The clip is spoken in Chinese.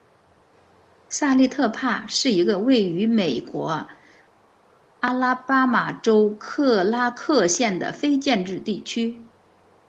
萨利特帕是一个位于美国阿拉巴马州克拉克县的非建制地区。